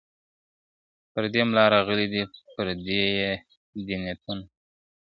پردی ملا راغلی دی پردي یې دي نیتونه ,